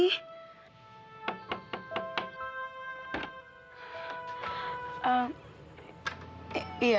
terima kasih begitulah